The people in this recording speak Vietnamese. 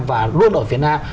và luôn ở việt nam